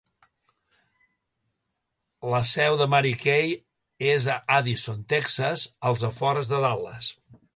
La seu de Mary Kay és a Addison, Texas, als afores de Dallas.